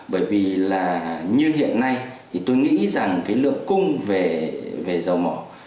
bởi vì là như hiện nay thì tôi nghĩ rằng cái lượng cung về dầu mỏ